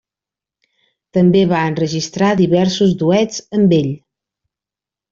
També va enregistrar diversos duets amb ell.